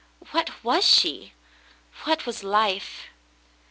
What was she ? What was life